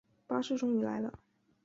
巴士终于来了